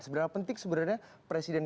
sebenarnya penting sebenarnya presiden